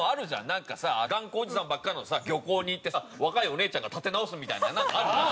なんかさ頑固おじさんばっかりの漁港に行ってさ若いお姉ちゃんが立て直すみたいななんかあるじゃん